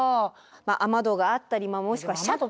雨戸があったりもしくはシャッター。